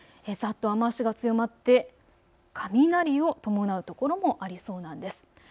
ざっと雨足が強まって雷を伴う所もありそうなんです。